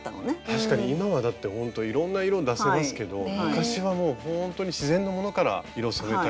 確かに今はだってほんといろんな色出せますけど昔はもうほんとに自然のものから色染めたりとか。